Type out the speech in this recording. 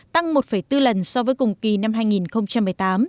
tăng một bốn lần so với cùng kỳ năm hai nghìn một mươi tám